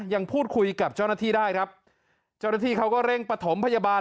ยังพูดคุยกับเจ้าหน้าที่ได้ครับเจ้าหน้าที่เขาก็เร่งประถมพยาบาล